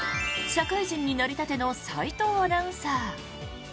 社会人になりたての斎藤アナウンサー。